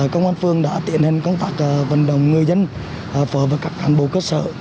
công an phường đã tiện hình công tác vận động người dân phở và các thành bộ cơ sở